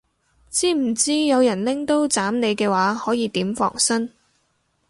知唔知有人拎刀斬你嘅話可以點防身